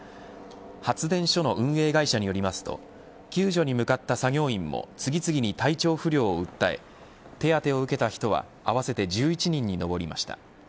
発電所の運営会社によりますと救助に向かった作業員も次々に体調不良を訴え手当てを受けた人は合わせて１１人に上りました。